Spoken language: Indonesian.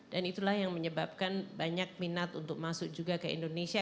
dan itulah yang menyebabkan banyak minat untuk masuk juga ke indonesia